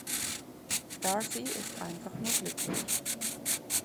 Darcy ist einfach nur glücklich.